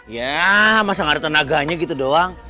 ya masa gak ada tenaganya gitu doang